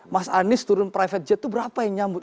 mas anis turun private jet itu berapa yang menyambut